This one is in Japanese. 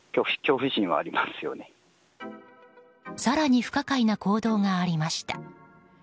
更に不可解な行動がありました。